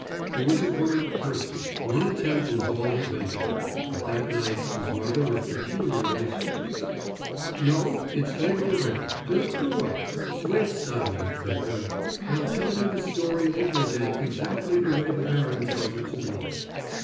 He was a grown up person. One attempt was all he ventured. But that night his mother was peculiarly strict. "No, it's late already. Just go up. Sois sage, Edgar. I'll tell you the story over again exactly the way the baron tells it to me."